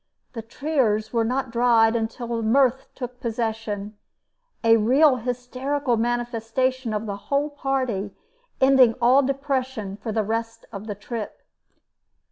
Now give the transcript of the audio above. The tears were not dried till mirth took possession a real hysterical manifestation of the whole party, ending all depression for the rest of the trip.